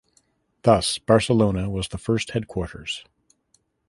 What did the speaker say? Thus Barcelona was the first headquarters.